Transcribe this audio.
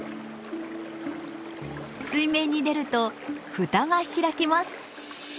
水面に出ると蓋が開きます。